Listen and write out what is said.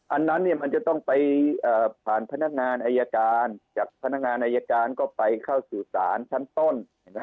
อันนั้นมันจะต้องไปผ่านพนักงานอายการจากพนักงานอายการก็ไปเข้าสู่ศาลชั้นต้น